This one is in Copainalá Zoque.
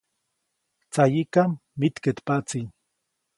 Tsayiʼkam mitkeʼtpaʼtsi.